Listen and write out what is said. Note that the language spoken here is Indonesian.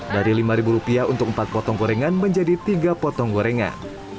dari rp lima untuk empat potong gorengan menjadi tiga potong gorengan